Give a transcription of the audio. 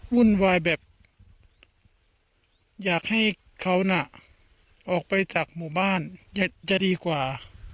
วุ่นวายแบบอยากให้เขาน่ะออกไปจากหมู่บ้านจะดีกว่า